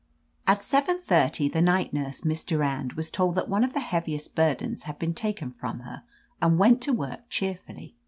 "At seventy thirty the night nurse. Miss Durand, was told that one of the heaviest burdens had been taken from her, and went to work cheerfully.